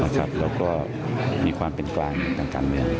แล้วก็มีความเป็นกลางในการการเรียน